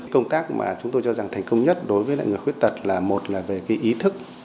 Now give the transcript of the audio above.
công tác mà chúng tôi cho rằng thành công nhất đối với lại người khuyết tật là một là về cái ý thức